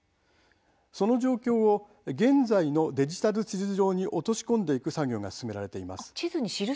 その状況を現在のデジタル地図上に落とし込んでいく作業が進められています。